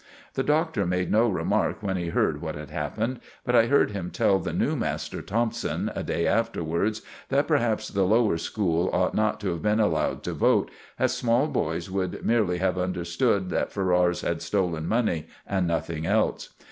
The Doctor made no remark when he heard what had happened, but I heard him tell the new master, Thompson, a day afterwards that perhaps the Lower School ought not to have been allowed to vote, as small boys would merely have understood that Ferrars had stolen money and nothing else.